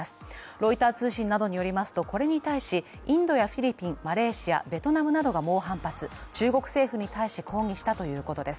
ロイター通信などによるとこれに対しインドやフィリピン、マレーシア、ベトナムなどが猛反発さ、中国政府に対し抗議したということです。